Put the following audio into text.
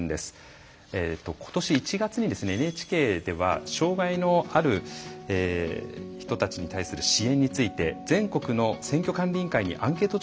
今年１月にＮＨＫでは障害のある人たちに対する支援について全国の選挙管理委員会にアンケート調査を行いました。